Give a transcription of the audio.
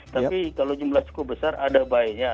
tapi kalau jumlah cukup besar ada baiknya